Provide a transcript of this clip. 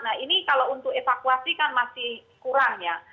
nah ini kalau untuk evakuasi kan masih kurang ya